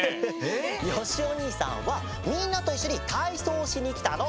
よしお兄さんはみんなといっしょにたいそうをしにきたの！